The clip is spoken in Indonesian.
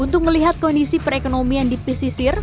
untuk melihat kondisi perekonomian di pesisir